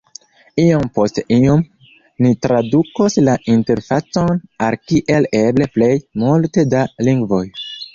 Iom post iom, ni tradukos la interfacon al kiel eble plej multe da lingvoj.